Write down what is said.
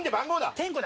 点呼だ。